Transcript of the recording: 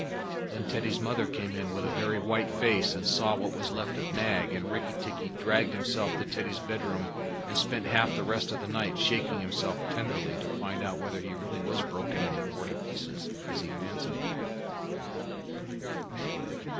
Then Teddy's mother came in with a very white face, and saw what was left of Nag, and Rikki tikki dragged himself to Teddy's bedroom and spent half the rest of the night shaking himself tenderly to find out whether he really was broken into forty pieces, as he fancied.